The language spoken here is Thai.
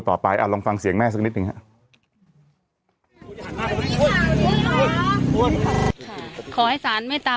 ต่อไปลองฟังเสียงแม่สักนิดหนึ่งครับ